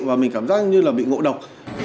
và mình cảm giác như là bị ngộ độc